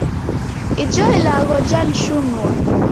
Ijo ilagho janishunua